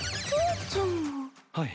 はい。